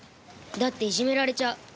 だっていじめられちゃう。